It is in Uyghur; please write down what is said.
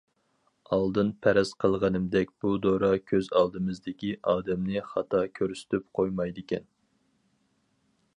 ئالدىن پەرەز قىلغىنىمدەك، بۇ دورا كۆز ئالدىمىزدىكى ئادەمنى خاتا كۆرسىتىپ قويمايدىكەن.